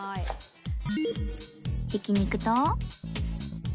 ひき肉と